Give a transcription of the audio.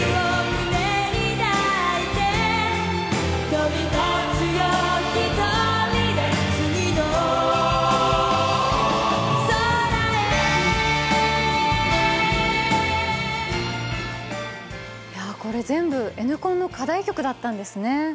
「夢の舟よ進め」いやこれ全部Ｎコンの課題曲だったんですね。